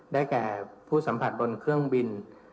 แก่ผู้สัมผัสบนเครื่องบิน